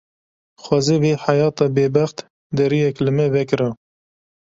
Xwezî vê heyata bêbext deriyek li me vekira.